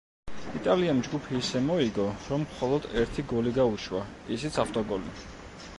იტალიამ ჯგუფი ისე მოიგო, რომ მხოლოდ ერთი გოლი გაუშვა, ისიც ავტოგოლი.